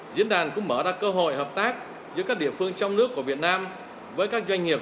diễn đàn cũng mở ra cơ hội hợp tác giữa các địa phương trong nước của việt nam với các doanh nghiệp